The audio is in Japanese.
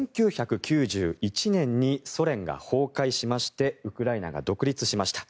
１９９１年にソ連が崩壊しましてウクライナが独立しました。